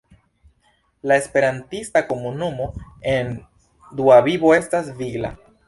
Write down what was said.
La esperantista komunumo en Dua Vivo estas vigla.